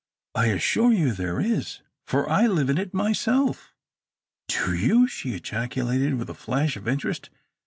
"I assure you there is, for I live in it myself." "Do you?" she ejaculated, with a flash of interest.